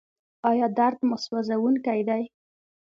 ایا درد مو سوځونکی دی؟